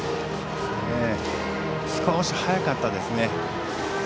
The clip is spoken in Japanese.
少し早かったですね。